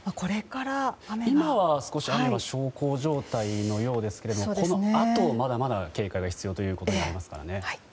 今は少し雨は小康状態のようですがこのあと、まだまだ警戒が必要ということですね。